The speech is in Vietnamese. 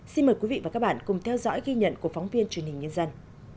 xin mời quý vị và các bạn cùng theo dõi ghi nhận của phóng viên truyền hình nhân dân